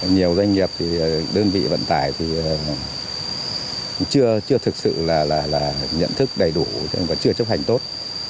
nhiều doanh nghiệp đơn vị vận tải chưa thực sự nhận thức đầy đủ và chưa chấp hành tốt